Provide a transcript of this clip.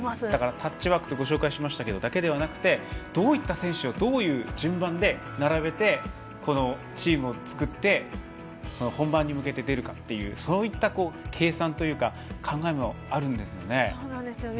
タッチワークとご紹介しましたがそれだけじゃなくてどういう選手をどういう順番で並べてチームを作って本番に向けて出るかっていうそういった計算というか考えもあるんですね。